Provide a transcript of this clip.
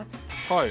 はい。